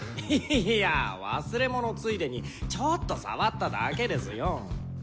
いや忘れ物ついでにちょっと触っただけですよ。